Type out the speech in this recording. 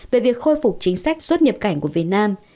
về việc khôi phục chính sách xuất nhập cảnh của việt nam